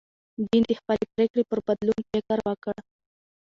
جین د خپلې پرېکړې پر بدلون فکر وکړ.